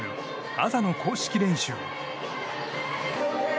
朝の公式練習。